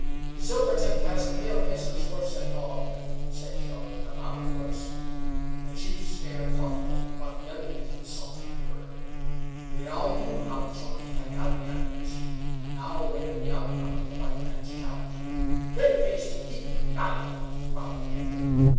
"Silvertip has the paleface's horse and dog," said Joe, in a loud voice. The chief stared haughtily while the other Indians sauntered nearer. They all knew how the Shawnee had got the animals, and now awaited the outcome of the white man's challenge. "Paleface heap liar," growled the Indian.